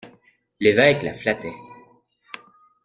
L'évêque la flattait.